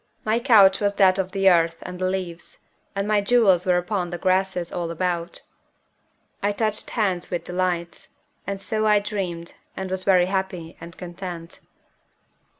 My couch was that of the earth and the leaves, and my jewels were upon the grasses all about. I touched hands with delights; and so I dreamed, and was very happy and content.